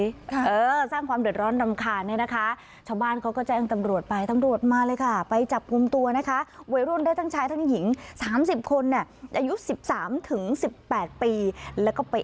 เออสร้างความเดินร้อนรำคาญนี่นะคะ